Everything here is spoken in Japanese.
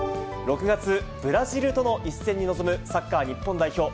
６月、ブラジルとの一戦に臨むサッカー日本代表。